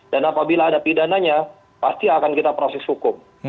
dan apabila ada pidana pasti akan kita proses hukum